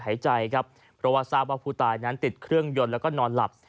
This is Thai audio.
หายใจครับเพราะว่าทราบว่าผู้ตายนั้นติดเครื่องยนต์แล้วก็นอนหลับ